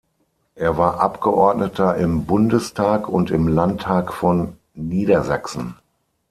Er war Abgeordneter im Bundestag und im Landtag von Niedersachsen.